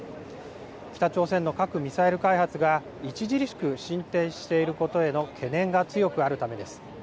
北朝鮮の核・ミサイル開発が著しく進展していることへの懸念が強くあるためです。